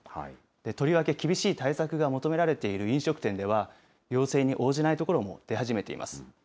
とりわけ厳しい対策が求められている飲食店では、要請に応じないところも出始めています。